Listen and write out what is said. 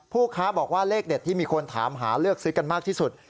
ค้าบอกว่าเลขเด็ดที่มีคนถามหาเลือกซื้อกันมากที่สุด